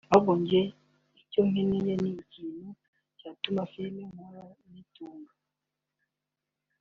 Ahubwo njye icyo nkeneye ni ikintu cyatuma filime nkora zintunga